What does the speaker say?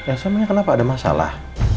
elsa kenapa ada masalah